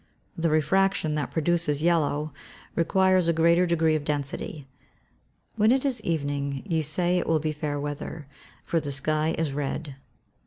The refraction that produces yellow requires a greater degree of density. [Verse: "When it is evening ye say it will be fair weather, for the sky is red."